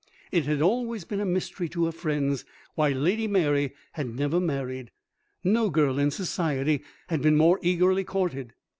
It had always been a mystery to her friends why Lady Mary had never married. No girl in Society had been more eagerly courted.